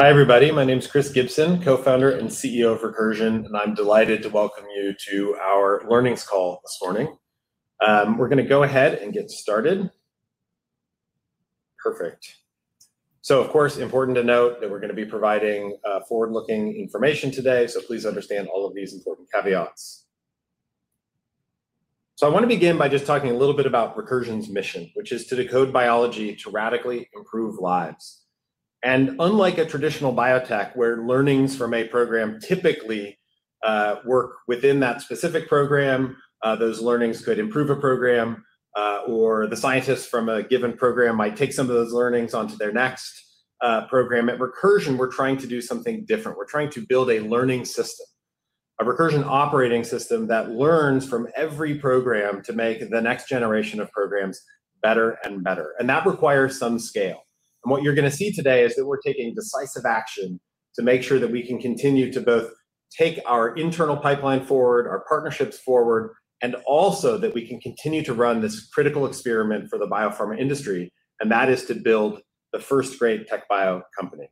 Hi, everybody. My name is Chris Gibson, Co-Founder and CEO of Recursion, and I'm delighted to welcome you to our learnings call this morning. We're going to go ahead and get started. Perfect. Of course, important to note that we're going to be providing forward-looking information today, so please understand all of these important caveats. I want to begin by just talking a little bit about Recursion's mission, which is to decode biology to radically improve lives. Unlike a traditional biotech, where learnings from a program typically work within that specific program, those learnings could improve a program, or the scientists from a given program might take some of those learnings onto their next program. At Recursion, we're trying to do something different. We're trying to build a learning system, a Recursion operating system that learns from every program to make the next generation of programs better and better. That requires some scale. What you're going to see today is that we're taking decisive action to make sure that we can continue to both take our internal pipeline forward, our partnerships forward, and also that we can continue to run this critical experiment for the biopharma industry, and that is to build the first great tech bio company.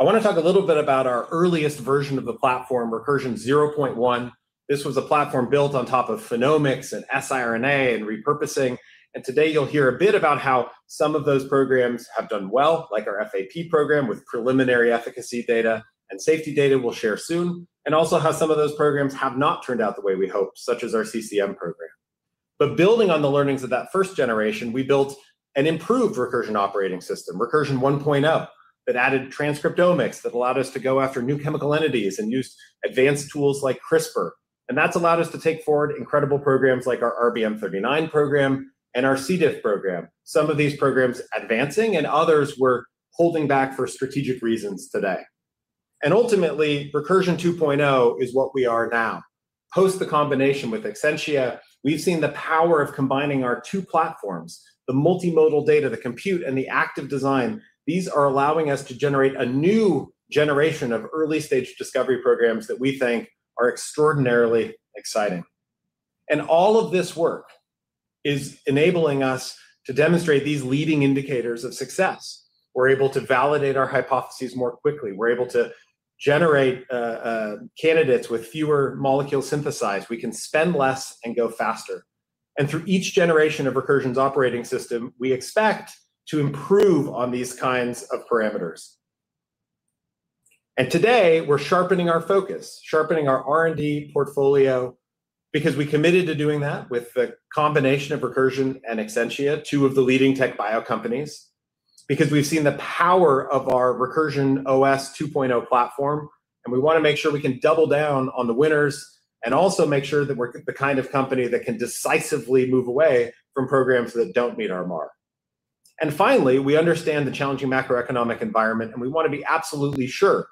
I want to talk a little bit about our earliest version of the platform, Recursion 0.1. This was a platform built on top of Phenomics and siRNA and repurposing. Today you'll hear a bit about how some of those programs have done well, like our FAP program with preliminary efficacy data and safety data we'll share soon, and also how some of those programs have not turned out the way we hoped, such as our CCM program. Building on the learnings of that first generation, we built an improved Recursion operating system, Recursion 1.0, that added transcriptomics that allowed us to go after new chemical entities and use advanced tools like CRISPR. That's allowed us to take forward incredible programs like our RBM39 program and our CDF program, some of these programs advancing and others we're holding back for strategic reasons today. Ultimately, Recursion 2.0 is what we are now. Post the combination with Exscientia, we've seen the power of combining our two platforms, the multimodal data, the compute, and the active design. These are allowing us to generate a new generation of early-stage discovery programs that we think are extraordinarily exciting. All of this work is enabling us to demonstrate these leading indicators of success. We're able to validate our hypotheses more quickly. We're able to generate candidates with fewer molecules synthesized. We can spend less and go faster. Through each generation of Recursion's operating system, we expect to improve on these kinds of parameters. Today we're sharpening our focus, sharpening our R&D portfolio because we committed to doing that with the combination of Recursion and Exscientia, two of the leading TechBio companies, because we've seen the power of our Recursion OS 2.0 platform, and we want to make sure we can double down on the winners and also make sure that we're the kind of company that can decisively move away from programs that don't meet our mark. Finally, we understand the challenging macroeconomic environment, and we want to be absolutely sure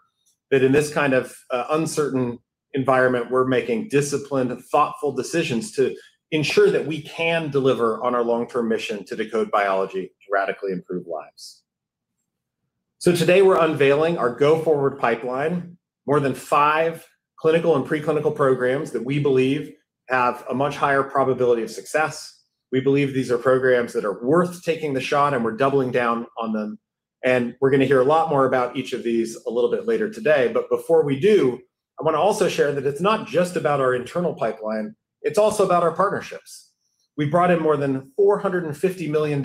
that in this kind of uncertain environment, we're making disciplined, thoughtful decisions to ensure that we can deliver on our long-term mission to decode biology to radically improve lives. Today we're unveiling our go-forward pipeline, more than five clinical and preclinical programs that we believe have a much higher probability of success. We believe these are programs that are worth taking the shot, and we're doubling down on them. We're going to hear a lot more about each of these a little bit later today. Before we do, I want to also share that it's not just about our internal pipeline. It's also about our partnerships. We brought in more than $450 million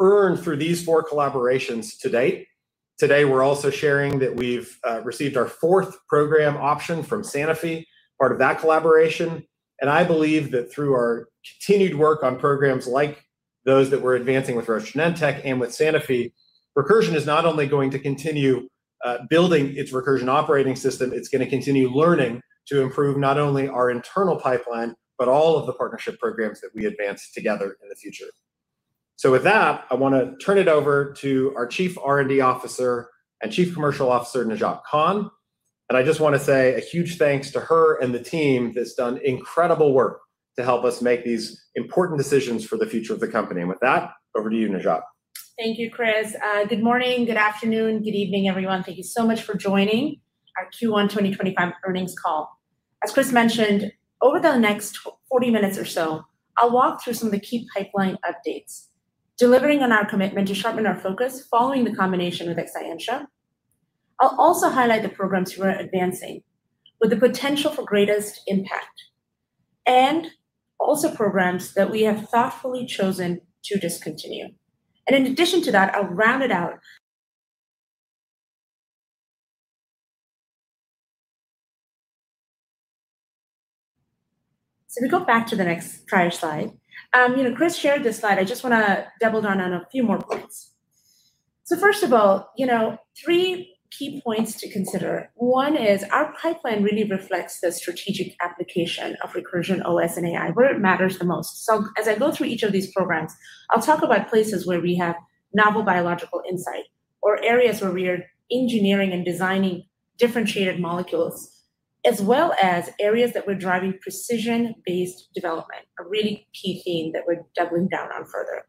earned through these four collaborations to date. Today we're also sharing that we've received our fourth program option from Sanofi, part of that collaboration. I believe that through our continued work on programs like those that we're advancing with Roche, Genentech, and with Sanofi, Recursion is not only going to continue building its Recursion operating system, it's going to continue learning to improve not only our internal pipeline, but all of the partnership programs that we advance together in the future. With that, I want to turn it over to our Chief R&D Officer and Chief Commercial Officer, Najat Khan. I just want to say a huge thanks to her and the team that has done incredible work to help us make these important decisions for the future of the company. With that, over to you, Najat. Thank you, Chris. Good morning, good afternoon, good evening, everyone. Thank you so much for joining our Q1 2025 earnings call. As Chris mentioned, over the next 40 minutes or so, I'll walk through some of the key pipeline updates, delivering on our commitment to sharpen our focus following the combination with Exscientia. I'll also highlight the programs we're advancing with the potential for greatest impact, and also programs that we have thoughtfully chosen to discontinue. In addition to that, I'll round it out. If we go back to the next prior slide, Chris shared this slide. I just want to double down on a few more points. First of all, three key points to consider. One is our pipeline really reflects the strategic application of Recursion OS and AI, where it matters the most. As I go through each of these programs, I'll talk about places where we have novel biological insight or areas where we are engineering and designing differentiated molecules, as well as areas that we're driving precision-based development, a really key theme that we're doubling down on further.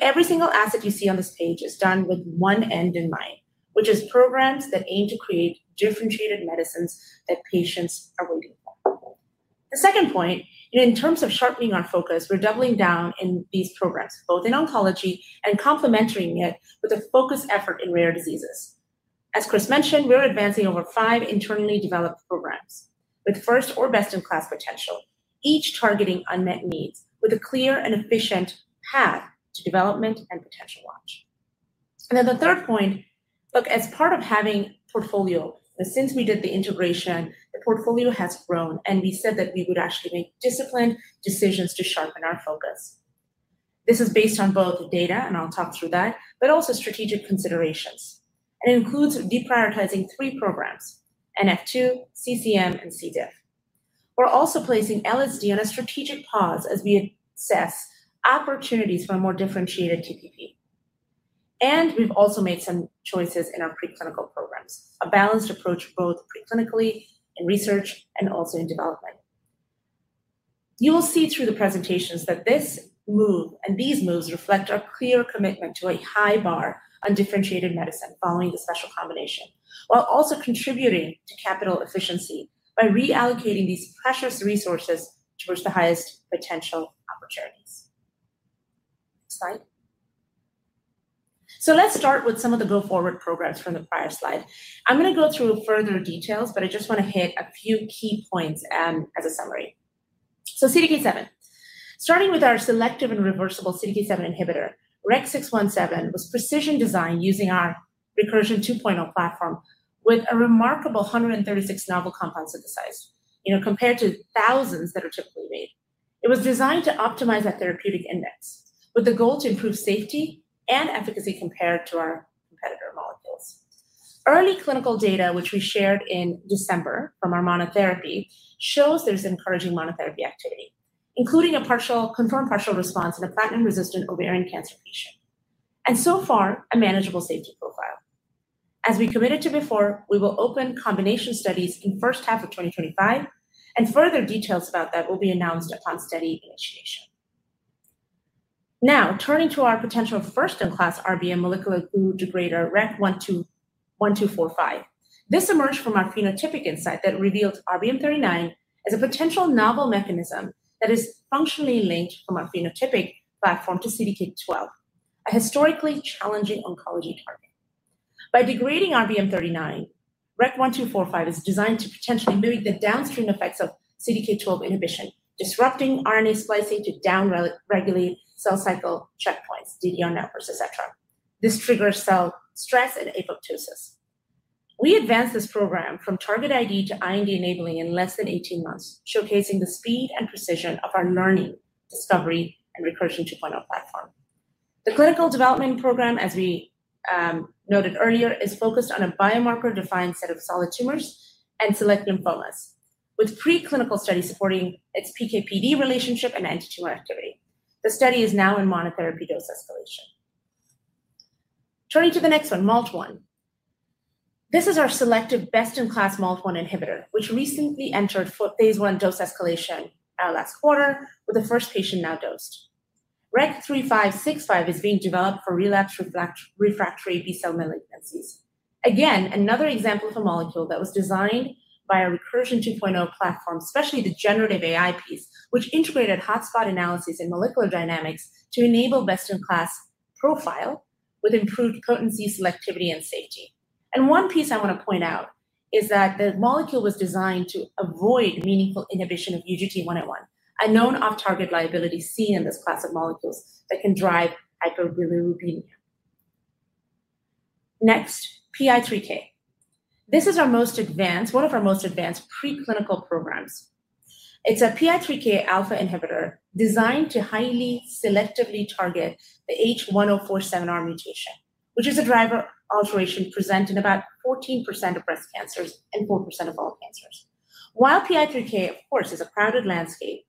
Every single asset you see on this page is done with one end in mind, which is programs that aim to create differentiated medicines that patients are waiting for. The second point, in terms of sharpening our focus, we're doubling down in these programs, both in oncology and complementary yet with a focused effort in rare diseases. As Chris mentioned, we're advancing over five internally developed programs with first or best-in-class potential, each targeting unmet needs with a clear and efficient path to development and potential launch. The third point, look, as part of having a portfolio, since we did the integration, the portfolio has grown, and we said that we would actually make disciplined decisions to sharpen our focus. This is based on both data, and I'll talk through that, but also strategic considerations. It includes deprioritizing three programs, NF2, CCM, and CDF. We're also placing LSD on a strategic pause as we assess opportunities for a more differentiated TPP. We've also made some choices in our preclinical programs, a balanced approach both preclinically in research and also in development. You will see through the presentations that this move and these moves reflect our clear commitment to a high bar on differentiated medicine following the special combination, while also contributing to capital efficiency by reallocating these precious resources towards the highest potential opportunities. Next slide. Let's start with some of the go-forward programs from the prior slide. I'm going to go through further details, but I just want to hit a few key points as a summary. CDK7, starting with our selective and reversible CDK7 inhibitor, REC-617, was precision designed using our Recursion 2.0 platform with a remarkable 136 novel compounds synthesized compared to thousands that are typically made. It was designed to optimize that therapeutic index with the goal to improve safety and efficacy compared to our competitor molecules. Early clinical data, which we shared in December from our monotherapy, shows there's encouraging monotherapy activity, including a confirmed partial response in a platinum-resistant ovarian cancer patient. So far, a manageable safety profile. As we committed to before, we will open combination studies in the first half of 2025, and further details about that will be announced upon study initiation. Now, turning to our potential first-in-class RBM molecular glue degrader, REC-1245. This emerged from our phenotypic insight that revealed RBM39 as a potential novel mechanism that is functionally linked from our phenotypic platform to CDK12, a historically challenging oncology target. By degrading RBM39, REC-1245 is designed to potentially mimic the downstream effects of CDK12 inhibition, disrupting RNA splicing to downregulate cell cycle checkpoints, DDR numbers, et cetera. This triggers cell stress and apoptosis. We advanced this program from target ID to IND enabling in less than 18 months, showcasing the speed and precision of our learning, discovery, and Recursion OS 2.0 platform. The clinical development program, as we noted earlier, is focused on a biomarker-defined set of solid tumors and select lymphomas, with preclinical studies supporting its PK/PD relationship and anti-tumor activity. The study is now in monotherapy dose escalation. Turning to the next one, MALT1. This is our selective best-in-class MALT1 inhibitor, which recently entered phase one dose escalation last quarter with the first patient now dosed. REC-3565 is being developed for relapse refractory B-cell malignancies. Again, another example of a molecule that was designed by our Recursion 2.0 platform, especially the generative AI piece, which integrated hotspot analysis and molecular dynamics to enable best-in-class profile with improved potency, selectivity, and safety. One piece I want to point out is that the molecule was designed to avoid meaningful inhibition of UGT-101, a known off-target liability seen in this class of molecules that can drive hyperbilirubinemia. Next, PI3K. This is our most advanced, one of our most advanced preclinical programs. It is a PI3K alpha inhibitor designed to highly selectively target the H1047R mutation, which is a driver alteration present in about 14% of breast cancers and 4% of all cancers. While PI3K, of course, is a crowded landscape,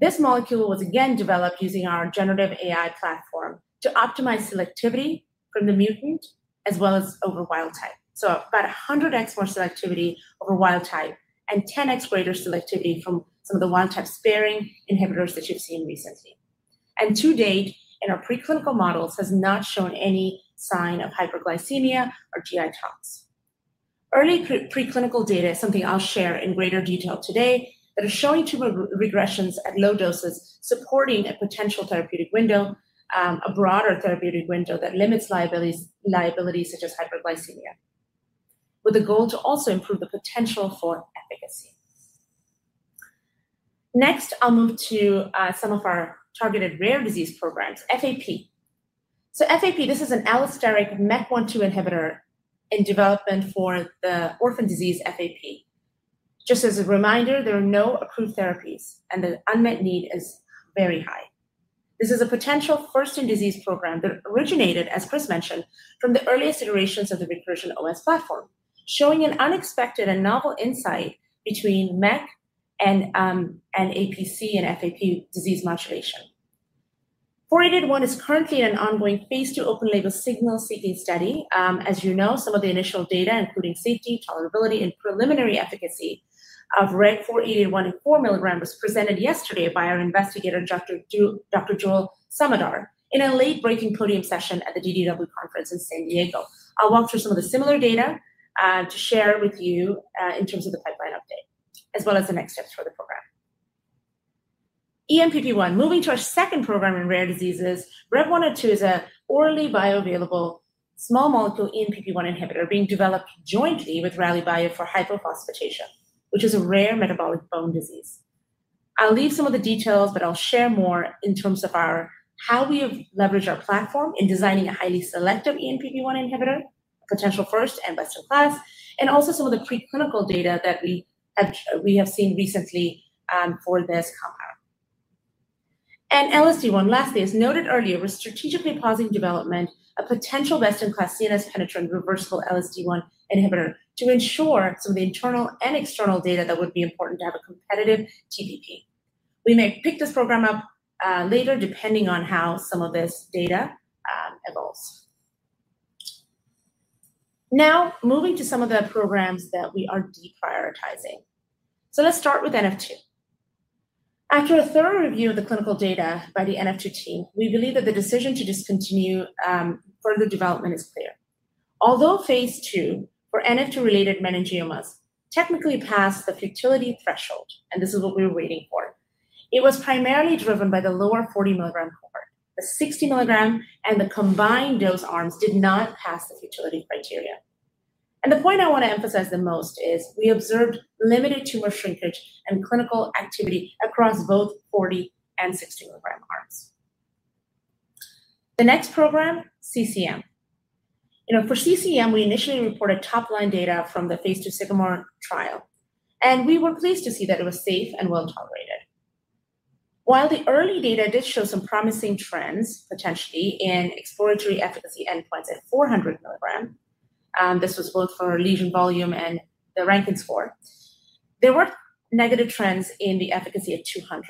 this molecule was again developed using our generative AI platform to optimize selectivity from the mutant as well as over wild type. So about 100x more selectivity over wild type and 10x greater selectivity from some of the wild type sparing inhibitors that you've seen recently. To date, in our preclinical models, has not shown any sign of hyperglycemia or GI tox. Early preclinical data is something I'll share in greater detail today that are showing tumor regressions at low doses supporting a potential therapeutic window, a broader therapeutic window that limits liabilities such as hyperglycemia, with the goal to also improve the potential for efficacy. Next, I'll move to some of our targeted rare disease programs, FAP. FAP, this is an allosteric MEK1/2 inhibitor in development for the orphan disease FAP. Just as a reminder, there are no approved therapies, and the unmet need is very high. This is a potential first-in-disease program that originated, as Chris mentioned, from the earliest iterations of the Recursion OS platform, showing an unexpected and novel insight between MEK and APC and FAP disease modulation. 4881 is currently in an ongoing phase two open label signal seeking study. As you know, some of the initial data, including safety, tolerability, and preliminary efficacy of REC-4881 and 4 mg, was presented yesterday by our investigator, Dr. Joel Samedar, in a late-breaking podium session at the DDW conference in San Diego. I'll walk through some of the similar data to share with you in terms of the pipeline update, as well as the next steps for the program. ENPP1, moving to our second program in rare diseases, REC-102 is an orally bioavailable small molecule ENPP1 inhibitor being developed jointly with Rallybio for hypophosphatasia, which is a rare metabolic bone disease. I'll leave some of the details, but I'll share more in terms of how we have leveraged our platform in designing a highly selective ENPP1 inhibitor, potential first and best-in-class, and also some of the preclinical data that we have seen recently for this compound. LSD1, lastly, as noted earlier, we're strategically pausing development of potential best-in-class CNS penetrant reversible LSD1 inhibitor to ensure some of the internal and external data that would be important to have a competitive TPP. We may pick this program up later depending on how some of this data evolves. Now, moving to some of the programs that we are deprioritizing. Let's start with NF2. After a thorough review of the clinical data by the NF2 team, we believe that the decision to discontinue further development is clear. Although phase two for NF2-related meningiomas technically passed the futility threshold, and this is what we were waiting for, it was primarily driven by the lower 40 mg cohort. The 60 mg and the combined dose arms did not pass the futility criteria. The point I want to emphasize the most is we observed limited tumor shrinkage and clinical activity across both 40 and 60 mg arms. The next program, CCM. For CCM, we initially reported top-line data from the phase two SIGMOD trial, and we were pleased to see that it was safe and well tolerated. While the early data did show some promising trends potentially in exploratory efficacy endpoints at 400 milligram, this was both for lesion volume and the rankin score, there were negative trends in the efficacy at 200.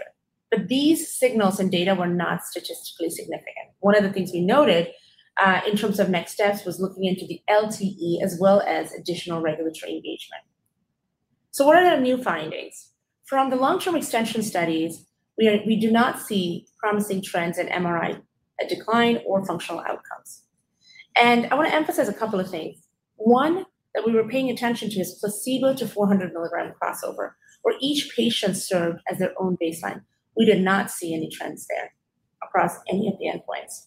These signals and data were not statistically significant. One of the things we noted in terms of next steps was looking into the LTE as well as additional regulatory engagement. What are the new findings? From the long-term extension studies, we do not see promising trends in MRI decline or functional outcomes. I want to emphasize a couple of things. One that we were paying attention to is placebo to 400-milligram crossover, where each patient served as their own baseline. We did not see any trends there across any of the endpoints.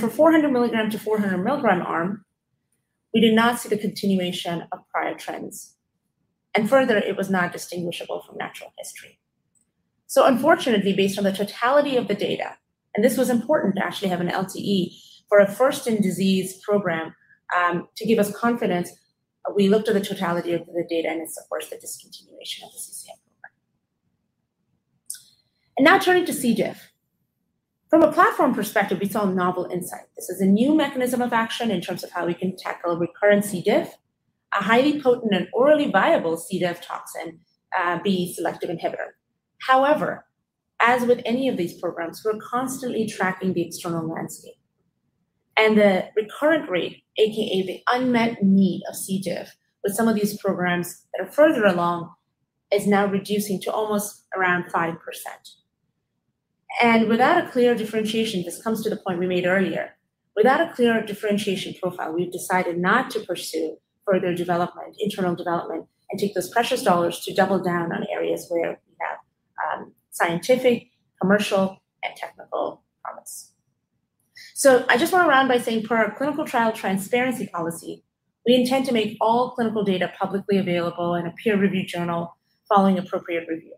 For 400-milligram to 400-milligram arm, we did not see the continuation of prior trends. Further, it was not distinguishable from natural history. Unfortunately, based on the totality of the data, and this was important to actually have an LTE for a first-in-disease program to give us confidence, we looked at the totality of the data and, of course, the discontinuation of the CCM program. Now turning to CDF. From a platform perspective, we saw a novel insight. This is a new mechanism of action in terms of how we can tackle recurrent CDF, a highly potent and orally viable CDF toxin B selective inhibitor. However, as with any of these programs, we're constantly tracking the external landscape. The recurrent rate, a.k.a. the unmet need of CDF with some of these programs that are further along, is now reducing to almost around 5%. Without a clear differentiation, this comes to the point we made earlier. Without a clear differentiation profile, we've decided not to pursue further development, internal development, and take those precious dollars to double down on areas where we have scientific, commercial, and technical promise. I just want to round by saying per our clinical trial transparency policy, we intend to make all clinical data publicly available in a peer-review journal following appropriate review.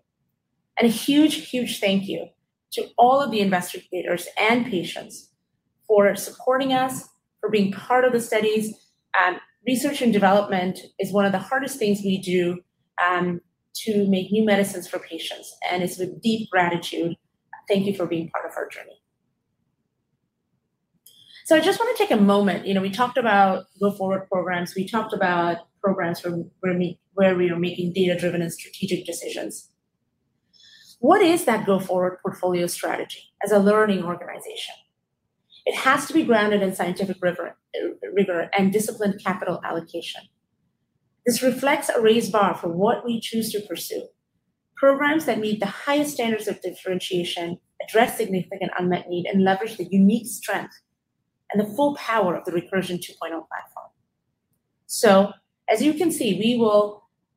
A huge, huge thank you to all of the investigators and patients for supporting us, for being part of the studies. Research and development is one of the hardest things we do to make new medicines for patients. It's with deep gratitude. Thank you for being part of our journey. I just want to take a moment. We talked about go-forward programs. We talked about programs where we are making data-driven and strategic decisions. What is that go-forward portfolio strategy as a learning organization? It has to be grounded in scientific rigor and disciplined capital allocation. This reflects a raised bar for what we choose to pursue. Programs that meet the highest standards of differentiation address significant unmet need and leverage the unique strength and the full power of the Recursion 2.0 platform. As you can see,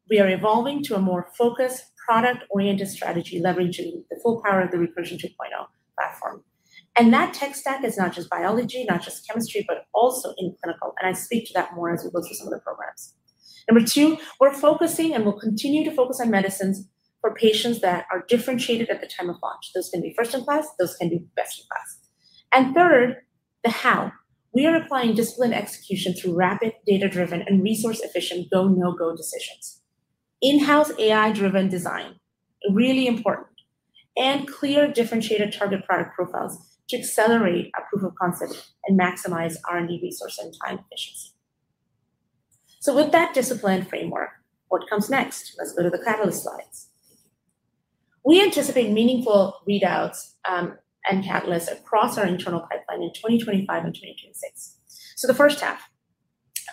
we are evolving to a more focused product-oriented strategy leveraging the full power of the Recursion 2.0 platform. That tech stack is not just biology, not just chemistry, but also in clinical. I speak to that more as we go through some of the programs. Number two, we're focusing and we'll continue to focus on medicines for patients that are differentiated at the time of launch. Those can be first-in-class. Those can be best-in-class. Third, the how. We are applying discipline execution through rapid, data-driven, and resource-efficient go-no-go decisions. In-house AI-driven design, really important, and clear differentiated target product profiles to accelerate our proof of concept and maximize R&D resource and time efficiency. With that discipline framework, what comes next? Let's go to the catalyst slides. We anticipate meaningful readouts and catalysts across our internal pipeline in 2025 and 2026. The first half,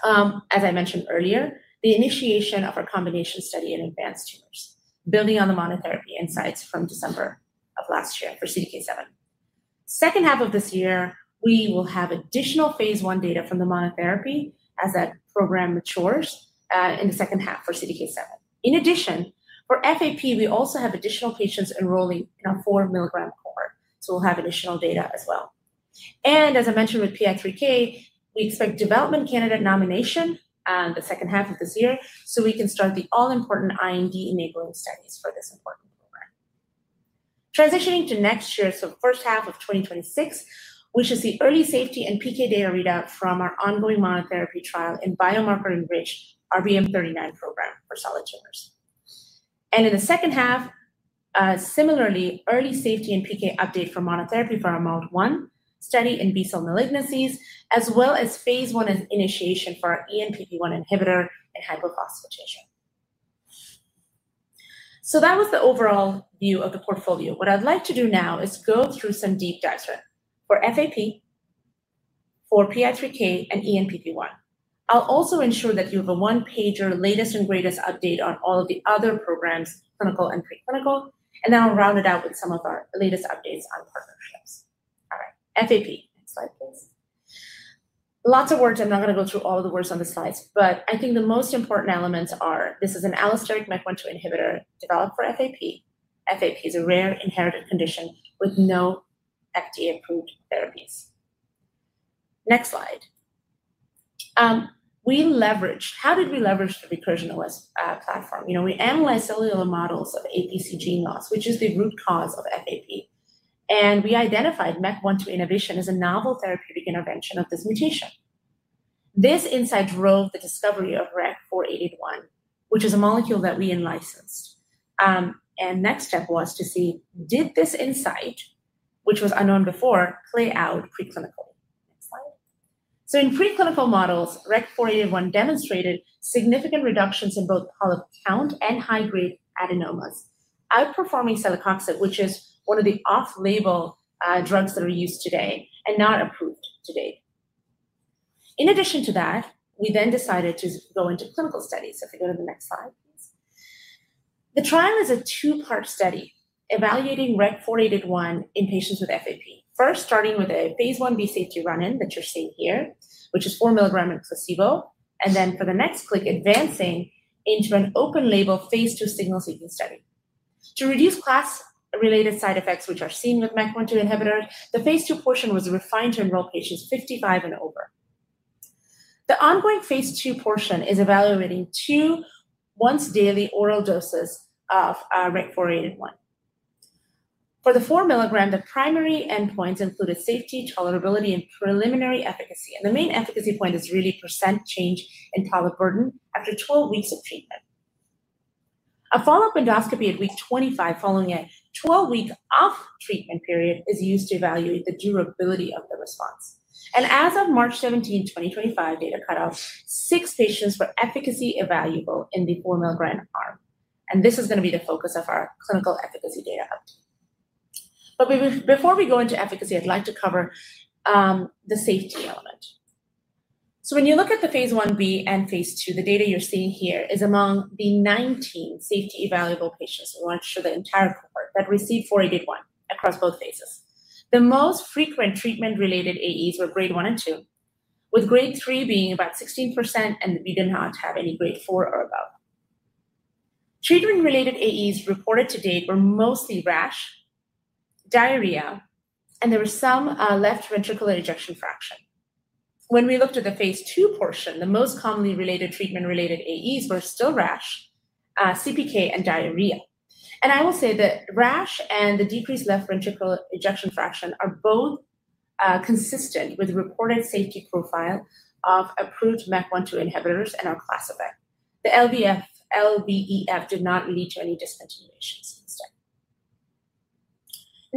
as I mentioned earlier, the initiation of our combination study in advanced tumors, building on the monotherapy insights from December of last year for CDK7. The second half of this year, we will have additional phase one data from the monotherapy as that program matures in the second half for CDK7. In addition, for FAP, we also have additional patients enrolling in a 4 mg cohort. We will have additional data as well. As I mentioned with PI3K, we expect development candidate nomination in the second half of this year so we can start the all-important IND enabling studies for this important program. Transitioning to next year, first half of 2026, we should see early safety and PK data readout from our ongoing monotherapy trial in biomarker-enriched RBM39 program for solid tumors. In the second half, similarly, early safety and PK update for monotherapy for our MALT1 study in B-cell malignancies, as well as phase one initiation for our ENPP1 inhibitor in hypophosphatasia. That was the overall view of the portfolio. What I'd like to do now is go through some deep dives for FAP, for PI3K, and ENPP1. I'll also ensure that you have a one-pager latest and greatest update on all of the other programs, clinical and preclinical, and then I'll round it out with some of our latest updates on partnerships. All right, FAP. Next slide, please. Lots of words. I'm not going to go through all the words on the slides, but I think the most important elements are this is an allosteric MEK1/2 inhibitor developed for FAP. FAP is a rare inherited condition with no FDA-approved therapies. Next slide. We leveraged how did we leverage the Recursion OS platform? We analyzed cellular models of APC gene loss, which is the root cause of FAP. And we identified MEK1/2 inhibition as a novel therapeutic intervention of this mutation. This insight drove the discovery of REC-4881, which is a molecule that we licensed. The next step was to see, did this insight, which was unknown before, play out preclinically? Next slide. In preclinical models, REC-4881 demonstrated significant reductions in both polyp count and high-grade adenomas, outperforming celecoxib, which is one of the off-label drugs that are used today and not approved to date. In addition to that, we then decided to go into clinical studies. If we go to the next slide, please. The trial is a two-part study evaluating REC-4881 in patients with FAP, first starting with a phase one B safety run-in that you're seeing here, which is 4 milligram in placebo, and then for the next click, advancing into an open label phase two signal seeking study. To reduce class-related side effects, which are seen with MEK1/2 inhibitors, the phase two portion was refined to enroll patients 55 and over. The ongoing phase two portion is evaluating two once-daily oral doses of REC-4881. For the 4 mg, the primary endpoints included safety, tolerability, and preliminary efficacy. The main efficacy point is really percent change in polyp burden after 12 weeks of treatment. A follow-up endoscopy at week 25 following a 12-week off-treatment period is used to evaluate the durability of the response. As of March 17, 2025, data cut off, six patients were efficacy evaluable in the 4 mg arm. This is going to be the focus of our clinical efficacy data update. Before we go into efficacy, I'd like to cover the safety element. When you look at the phase 1b and phase two, the data you're seeing here is among the 19 safety evaluable patients. We want to show the entire cohort that received REC-4881 across both phases. The most frequent treatment-related AEs were grade one and two, with grade three being about 16%, and we did not have any grade four or above. Treatment-related AEs reported to date were mostly rash, diarrhea, and there were some left ventricular ejection fraction. When we looked at the phase two portion, the most commonly related treatment-related AEs were still rash, CPK, and diarrhea. I will say that rash and the decreased left ventricular ejection fraction are both consistent with the reported safety profile of approved MEK1/2 inhibitors and our class effect. The LVEF did not lead to any discontinuations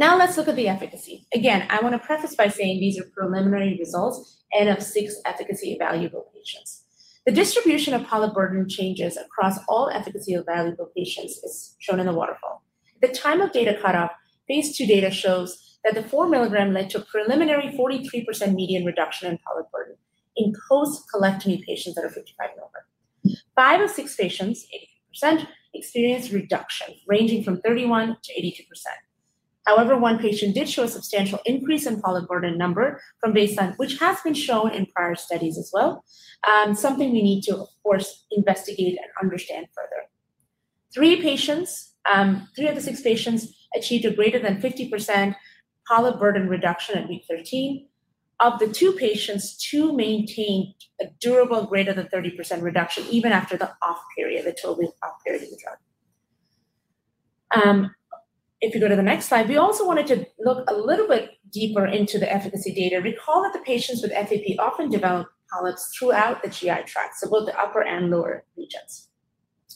in this study. Now let's look at the efficacy. Again, I want to preface by saying these are preliminary results and of six efficacy evaluable patients. The distribution of polyp burden changes across all efficacy evaluable patients is shown in the waterfall. At the time of data cut-off, phase two data shows that the 4 milligram led to a preliminary 43% median reduction in polyp burden in post-colectomy patients that are 55 and over. Five of six patients, 80%, experienced reduction ranging from 31-82%. However, one patient did show a substantial increase in polyp burden number from baseline, which has been shown in prior studies as well, something we need to, of course, investigate and understand further. Three of the six patients achieved a greater than 50% polyp burden reduction at week 13. Of the six patients, two maintained a durable greater than 30% reduction even after the off period, the 12-week off period of the drug. If you go to the next slide, we also wanted to look a little bit deeper into the efficacy data. Recall that the patients with FAP often develop polyps throughout the GI tract, so both the upper and lower regions.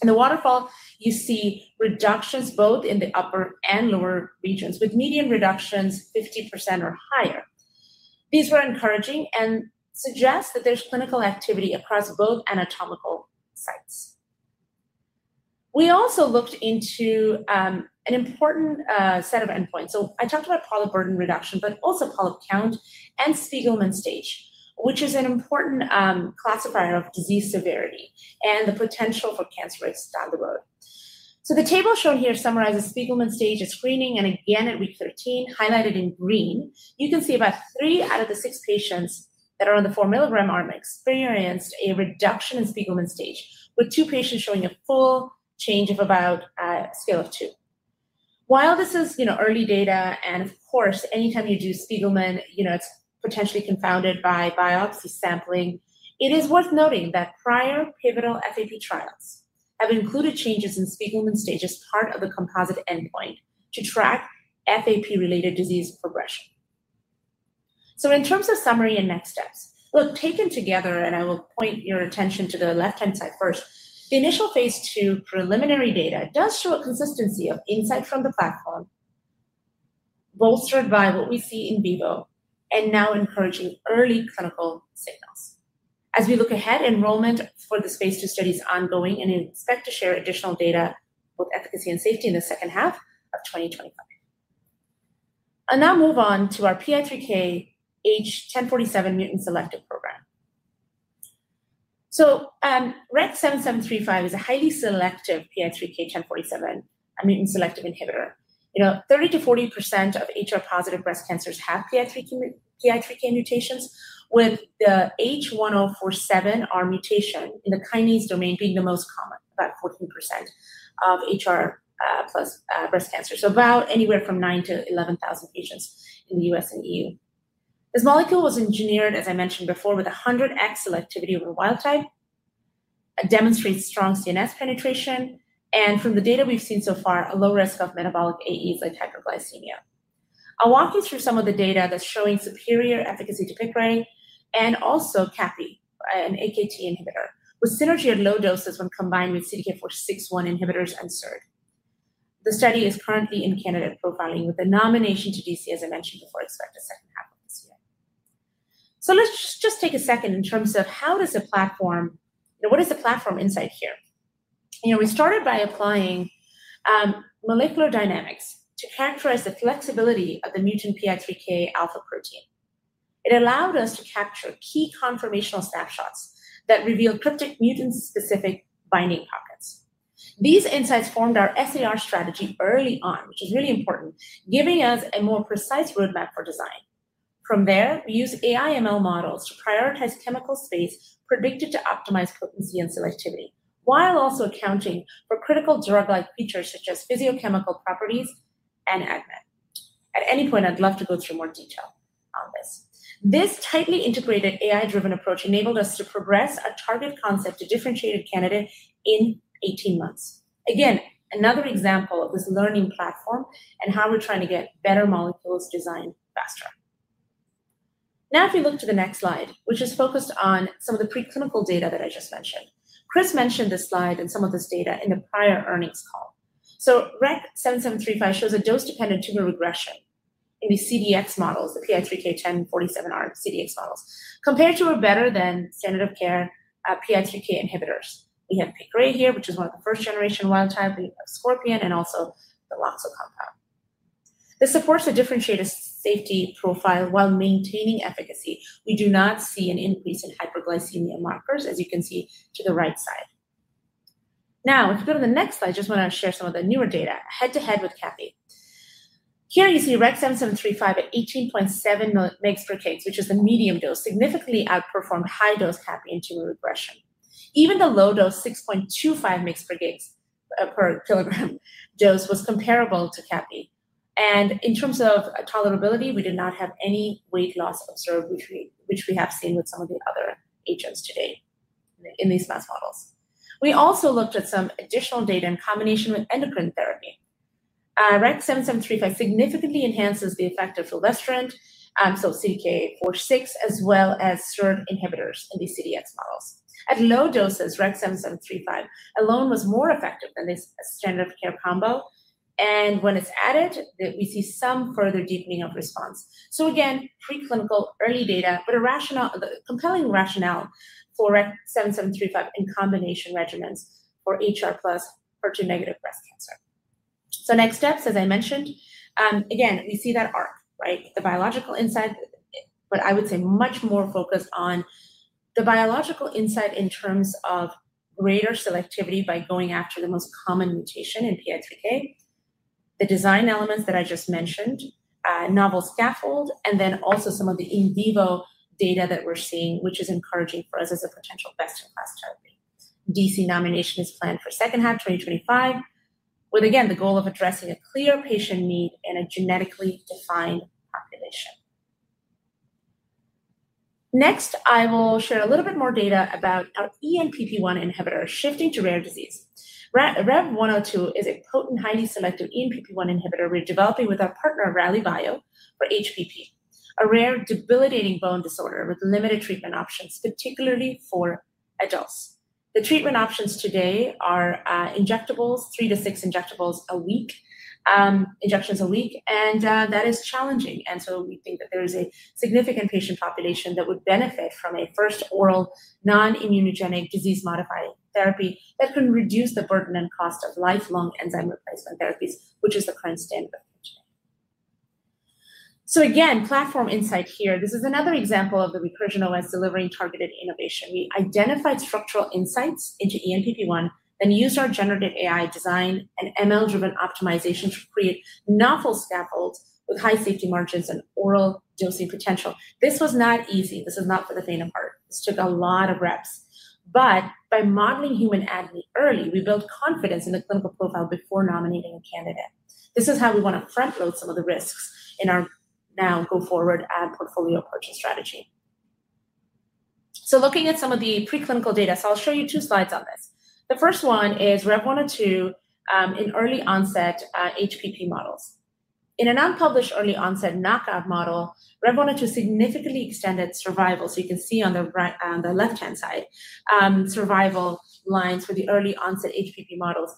In the waterfall, you see reductions both in the upper and lower regions with median reductions 50% or higher. These were encouraging and suggest that there's clinical activity across both anatomical sites. We also looked into an important set of endpoints. I talked about polyp burden reduction, but also polyp count and Spiegelman stage, which is an important classifier of disease severity and the potential for cancer risk down the road. The table shown here summarizes Spiegelman stage screening, and again, at week 13, highlighted in green, you can see about three out of the six patients that are on the 4 milligram arm experienced a reduction in Spiegelman stage, with two patients showing a full change of about a scale of two. While this is early data, and of course, anytime you do Spiegelman, it's potentially confounded by biopsy sampling, it is worth noting that prior pivotal FAP trials have included changes in Spiegelman stage as part of the composite endpoint to track FAP-related disease progression. In terms of summary and next steps, look, taken together, and I will point your attention to the left-hand side first, the initial phase two preliminary data does show a consistency of insight from the platform bolstered by what we see in Vivo and now encouraging early clinical signals. As we look ahead, enrollment for this phase two study is ongoing, and we expect to share additional data with efficacy and safety in the second half of 2025. I'll now move on to our PI3K H1047 mutant selective program. REC-7735 is a highly selective PI3K H1047 mutant selective inhibitor. 30-40% of HR-positive breast cancers have PI3K mutations, with the H1047R mutation in the kinase domain being the most common, about 14% of HR-plus breast cancers. About anywhere from 9,000-11,000 patients in the U.S. and E.U. This molecule was engineered, as I mentioned before, with 100x selectivity over wild type, demonstrates strong CNS penetration, and from the data we've seen so far, a low risk of metabolic AEs like hyperglycemia. I'll walk you through some of the data that's showing superior efficacy to Piqray and also capivasertib, an AKT inhibitor, with synergy at low doses when combined with CDK4/6 inhibitors and SIRT. The study is currently in candidate profiling, with a nomination to DC, as I mentioned before, expected second half of this year. Let's just take a second in terms of how does a platform what is the platform insight here? We started by applying molecular dynamics to characterize the flexibility of the mutant PI3K alpha protein. It allowed us to capture key conformational snapshots that revealed cryptic mutant-specific binding pockets. These insights formed our SAR strategy early on, which is really important, giving us a more precise roadmap for design. From there, we used AI/ML models to prioritize chemical space predicted to optimize potency and selectivity, while also accounting for critical drug-like features such as physicochemical properties and ADMET. At any point, I'd love to go through more detail on this. This tightly integrated AI-driven approach enabled us to progress a target concept to differentiated candidate in 18 months. Again, another example of this learning platform and how we're trying to get better molecules designed faster. Now, if we look to the next slide, which is focused on some of the preclinical data that I just mentioned, Chris mentioned this slide and some of this data in the prior earnings call. REC-7735 shows a dose-dependent tumor regression in the CDX models, the PI3K H1047R CDX models, compared to our better-than-standard-of-care PI3K inhibitors. We have Piqray here, which is one of the first-generation wild type, we have Scorpion, and also the LOXO compound. This supports a differentiated safety profile while maintaining efficacy. We do not see an increase in hyperglycemia markers, as you can see to the right side. Now, if you go to the next slide, I just want to share some of the newer data head-to-head with CAPI. Here, you see REC-7735 at 18.7 mg per kg, which is the medium dose, significantly outperformed high-dose CAPI in tumor regression. Even the low-dose 6.25 mg per kilogram dose was comparable to CAPI. In terms of tolerability, we did not have any weight loss observed, which we have seen with some of the other agents today in these mass models. We also looked at some additional data in combination with endocrine therapy. REC-7735 significantly enhances the effect of fulvestrant, so CDK4/6, as well as SIRT inhibitors in these CDX models. At low doses, REC-7735 alone was more effective than this standard-of-care combo. When it is added, we see some further deepening of response. Again, preclinical early data, but a compelling rationale for REC-7735 in combination regimens for HR-plus HER2-negative breast cancer. Next steps, as I mentioned, again, we see that arc, right? The biological insight, but I would say much more focused on the biological insight in terms of greater selectivity by going after the most common mutation in PI3K, the design elements that I just mentioned, novel scaffold, and then also some of the in Vivo data that we're seeing, which is encouraging for us as a potential best-in-class therapy. DC nomination is planned for second half 2025, with, again, the goal of addressing a clear patient need in a genetically defined population. Next, I will share a little bit more data about our ENPP1 inhibitor shifting to rare disease. REC-102 is a potent, highly selective ENPP1 inhibitor we're developing with our partner, RallyBio, for HPP, a rare debilitating bone disorder with limited treatment options, particularly for adults. The treatment options today are injectables, three to six injectables a week, injections a week, and that is challenging. We think that there is a significant patient population that would benefit from a first oral non-immunogenic disease-modifying therapy that can reduce the burden and cost of lifelong enzyme replacement therapies, which is the current standard of care today. Again, platform insight here. This is another example of the Recursion OS delivering targeted innovation. We identified structural insights into ENPP1 and used our generative AI design and ML-driven optimization to create novel scaffolds with high safety margins and oral dosing potential. This was not easy. This is not for the faint of heart. This took a lot of reps. By modeling human agony early, we built confidence in the clinical profile before nominating a candidate. This is how we want to front-load some of the risks in our now-go-forward portfolio approach and strategy. Looking at some of the preclinical data, I'll show you two slides on this. The first one is REC-102 in early onset HPP models. In a non-published early onset knockout model, REC-102 significantly extended survival. You can see on the left-hand side, survival lines for the early onset HPP models.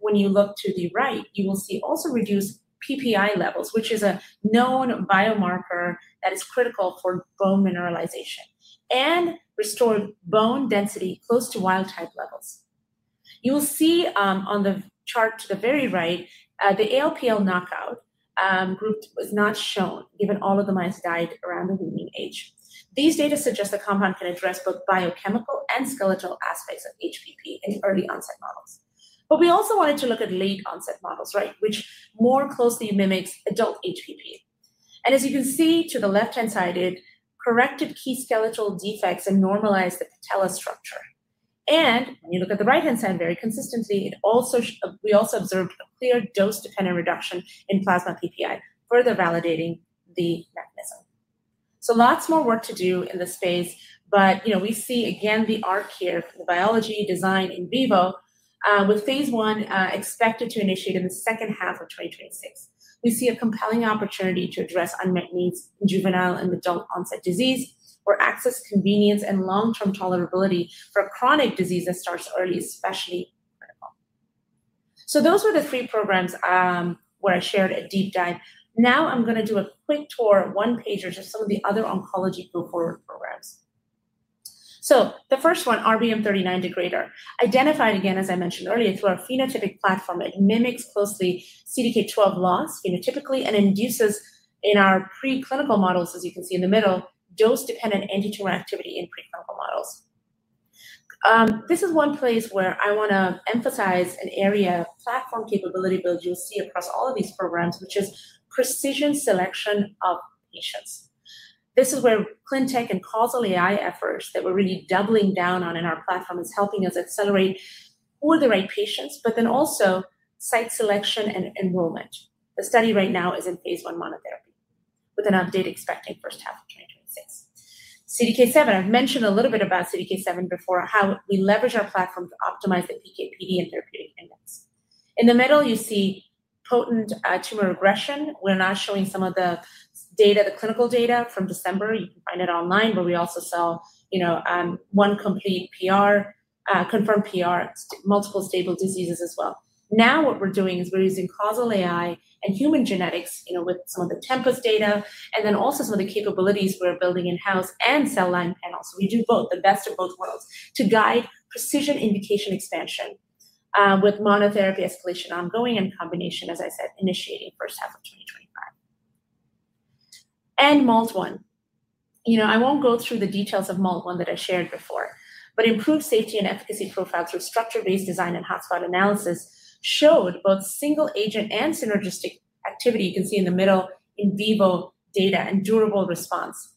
When you look to the right, you will see also reduced PPI levels, which is a known biomarker that is critical for bone mineralization and restored bone density close to wild type levels. You will see on the chart to the very right, the ALPL knockout group was not shown, given all of the mice died around the weaning age. These data suggest the compound can address both biochemical and skeletal aspects of HPP in early onset models. We also wanted to look at late onset models, which more closely mimics adult HPP. As you can see to the left-hand side, it corrected key skeletal defects and normalized the patella structure. When you look at the right-hand side very consistently, we also observed a clear dose-dependent reduction in plasma PPI, further validating the mechanism. Lots more work to do in this space, but we see again the arc here for the biology design in Vivo with phase one expected to initiate in the second half of 2026. We see a compelling opportunity to address unmet needs in juvenile and adult onset disease or access convenience and long-term tolerability for a chronic disease that starts early, especially critical. Those were the three programs where I shared a deep dive. Now I'm going to do a quick tour, one-pager, to some of the other oncology go forward programs. The first one, RBM39 degrader, identified again, as I mentioned earlier, through our phenotypic platform. It mimics closely CDK12 loss phenotypically and induces in our preclinical models, as you can see in the middle, dose-dependent anti-tumor activity in preclinical models. This is one place where I want to emphasize an area of platform capability build you'll see across all of these programs, which is precision selection of patients. This is where ClinTech and Causal AI efforts that we're really doubling down on in our platform is helping us accelerate for the right patients, but then also site selection and enrollment. The study right now is in phase one monotherapy with an update expecting first half of 2026. CDK7, I've mentioned a little bit about CDK7 before, how we leverage our platform to optimize the PKPD and therapeutic index. In the middle, you see potent tumor regression. We're now showing some of the data, the clinical data from December. You can find it online, but we also saw one complete confirmed PR, multiple stable diseases as well. Now what we're doing is we're using Causal AI and human genetics with some of the Tempus data and then also some of the capabilities we're building in-house and cell line panels. We do both, the best of both worlds, to guide precision indication expansion with monotherapy escalation ongoing and combination, as I said, initiating first half of 2025. MALT1. I won't go through the details of MALT1 that I shared before, but improved safety and efficacy profiles through structure-based design and hotspot analysis showed both single-agent and synergistic activity. You can see in the middle in Vivo data and durable response.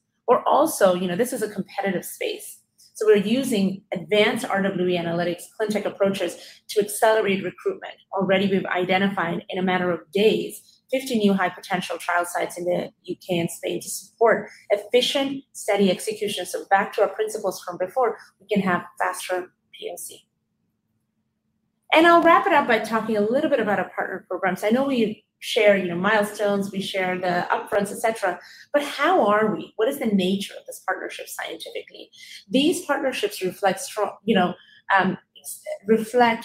This is a competitive space. We're using advanced RW analytics, ClinTech approaches to accelerate recruitment. Already, we've identified in a matter of days 50 new high-potential trial sites in the U.K. and Spain to support efficient, steady execution. Back to our principles from before, we can have faster POC. I'll wrap it up by talking a little bit about our partner programs. I know we share milestones, we share the upfronts, et cetera, but how are we? What is the nature of this partnership scientifically? These partnerships reflect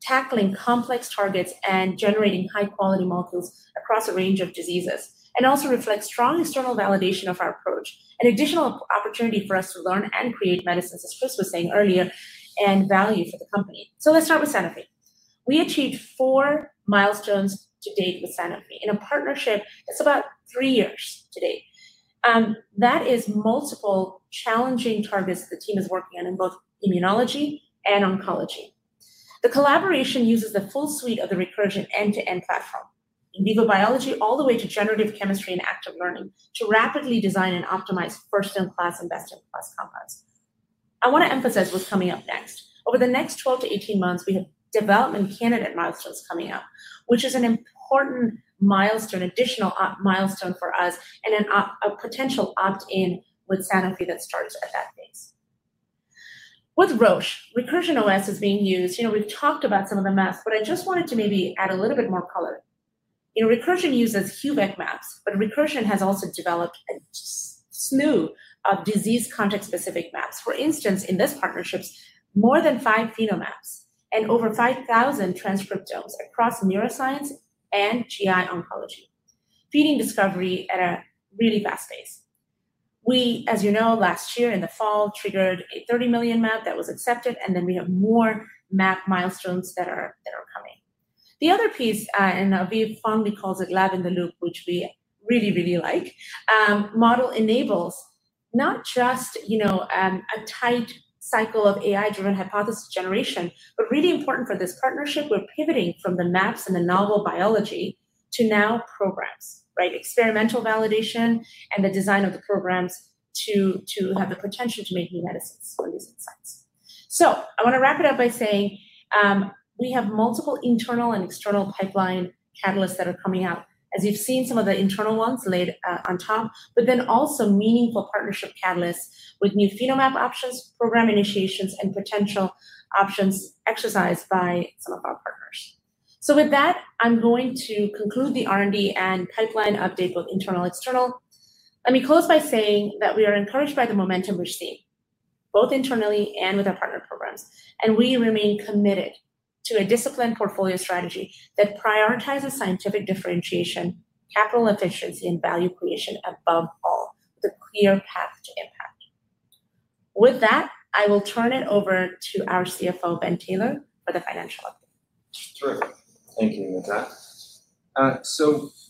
tackling complex targets and generating high-quality molecules across a range of diseases and also reflect strong external validation of our approach, an additional opportunity for us to learn and create medicines, as Chris was saying earlier, and value for the company. Let's start with Sanofi. We achieved four milestones to date with Sanofi in a partnership. It's about three years to date. That is multiple challenging targets the team is working on in both immunology and oncology. The collaboration uses the full suite of the Recursion end-to-end platform, in Vivo biology all the way to generative chemistry and active learning to rapidly design and optimize first-in-class and best-in-class compounds. I want to emphasize what's coming up next. Over the next 12-18 months, we have development candidate milestones coming up, which is an important milestone, additional milestone for us and a potential opt-in with Sanofi that starts at that phase. With Roche, Recursion OS is being used. We've talked about some of the math, but I just wanted to maybe add a little bit more color. Recursion uses HUVEC maps, but Recursion has also developed a slew of disease context-specific maps. For instance, in this partnership, more than five Phenomaps and over 5,000 transcriptomes across neuroscience and GI oncology, feeding discovery at a really fast pace. We, as you know, last year in the fall, triggered a $30 million map that was accepted, and then we have more map milestones that are coming. The other piece, and Aviv fondly calls it lab in the loop, which we really, really like, model enables not just a tight cycle of AI-driven hypothesis generation, but really important for this partnership. We're pivoting from the maps and the novel biology to now programs, right? Experimental validation and the design of the programs to have the potential to make new medicines for these insights. I want to wrap it up by saying we have multiple internal and external pipeline catalysts that are coming out, as you've seen some of the internal ones laid on top, but then also meaningful partnership catalysts with new Phenomap options, program initiations, and potential options exercised by some of our partners. With that, I'm going to conclude the R&D and pipeline update, both internal and external. Let me close by saying that we are encouraged by the momentum we're seeing, both internally and with our partner programs, and we remain committed to a disciplined portfolio strategy that prioritizes scientific differentiation, capital efficiency, and value creation above all, with a clear path to impact. With that, I will turn it over to our CFO, Ben Taylor, for the financial update. Sure. Thank you, Nita.